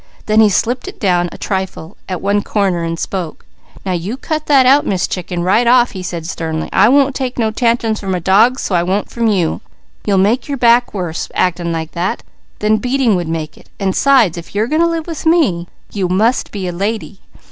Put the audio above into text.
Then he slipped it down a trifle at one corner and spoke: "Now you cut that out, Miss Chicken, right off!" he said sternly. "I wouldn't take no tantrums from a dog, so I won't from you. You'll make your back worse acting like that, than beating would make it, and 'sides, if you're going to live with me, you must be a lady.